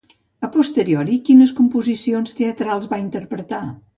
A posteriori, quines composicions teatrals va interpretar?